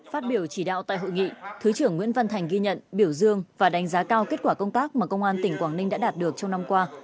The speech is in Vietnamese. phát biểu chỉ đạo tại hội nghị thứ trưởng nguyễn văn thành ghi nhận biểu dương và đánh giá cao kết quả công tác mà công an tỉnh quảng ninh đã đạt được trong năm qua